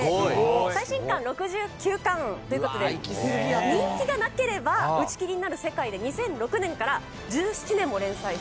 最新刊６９巻。という事で人気がなければ打ち切りになる世界で２００６年から１７年も連載している。